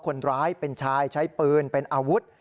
คนร้ายเป็นชายใช้ปืนเป็นอาวุธ